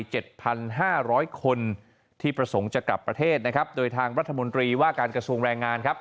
เจ็ดพันห้าร้อยคนที่ประสงค์จะกลับประเทศนะครับโดยทางรัฐมนตรีว่าการกระทรวงแรงงานครับ